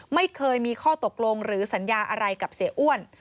ไม่เคยมีข้อตกลงหรือสัญญาอะไรกับเสียอ้วน